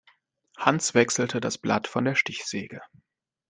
Hans wechselte das Blatt von der Stichsäge.